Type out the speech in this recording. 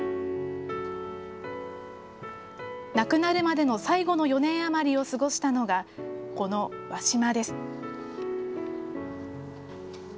亡くなるまでの最後の４年余りを過ごしたのが、この和島です。